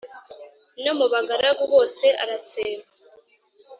no mu bagaragu; bose aratsemba.